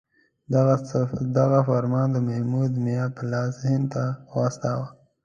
دغه فرمان د محمود میا په لاس هند ته واستاوه.